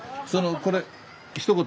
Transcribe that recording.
これひと言。